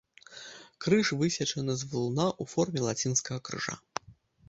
Крыж высечаны з валуна ў форме лацінскага крыжа.